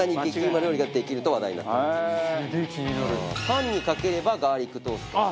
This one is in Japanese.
パンにかければガーリックトースト。